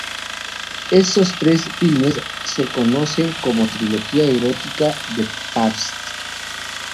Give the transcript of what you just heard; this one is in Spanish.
Estos tres filmes se conocen como la "trilogía erótica" de Pabst.